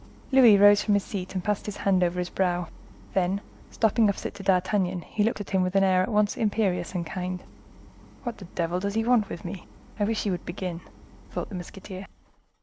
Louis rose from his seat, passed his hand over his brow, then, stopping opposite to D'Artagnan, he looked at him with an air at once imperious and kind, "What the devil does he want with me? I wish he would begin!" thought the musketeer.